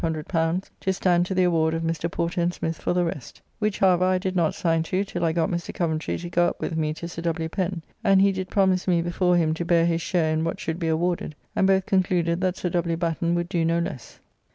] and we did also sign bonds in L500 to stand to the award of Mr. Porter and Smith for the rest: which, however, I did not sign to till I got Mr. Coventry to go up with me to Sir W. Pen; and he did promise me before him to bear his share in what should be awarded, and both concluded that Sir W. Batten would do no less.